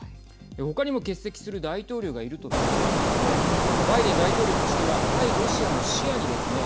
ほかにも欠席する大統領がいると見られていてバイデン大統領としては対ロシアも視野にですね